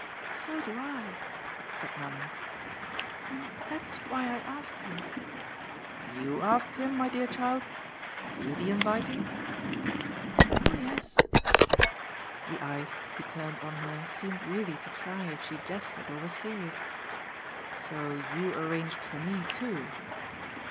"So do I," said Nanda "and that's why I asked him." "YOU asked him, my dear child? Have you the inviting?" "Oh yes." The eyes he turned on her seemed really to try if she jested or were serious. "So you arranged for me too?"